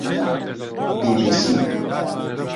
بی بی سی